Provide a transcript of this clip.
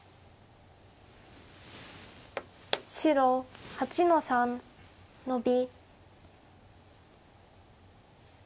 白８の三ノビ。